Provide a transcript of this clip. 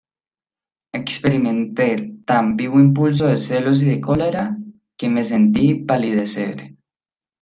experimenté tan vivo impulso de celos y de cólera, que me sentí palidecer.